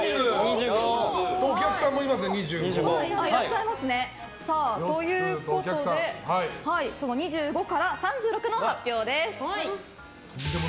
お客さんもいますね、２５。ということで２５から３６の発表です。